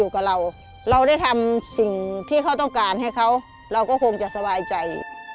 กับเราเราได้ทำสิ่งที่เขาต้องการให้เขาเราก็คงจะสบายใจ